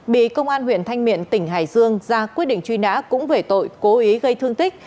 bị công an huyện thanh miện tỉnh hải dương ra quyết định truy nã cũng về tội cố ý gây thương tích